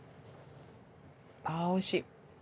あぁおいしい。